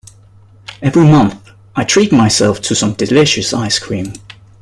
Every month, I treat myself to some delicious ice cream.